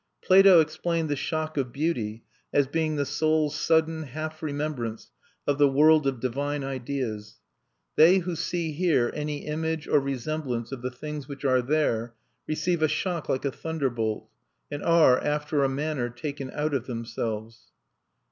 Plato explained the shock of beauty as being the Soul's sudden half remembrance of the World of Divine Ideas. "They who see here any image or resemblance of the things which are there receive a shock like a thunderbolt, and are, after a manner, taken out of themselves."